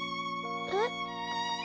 えっ？